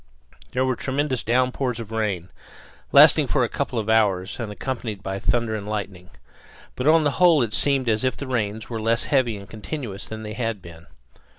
There were tremendous downpours of rain, lasting for a couple of hours and accompanied by thunder and lightning. But on the whole it seemed as if the rains were less heavy and continuous than they had been.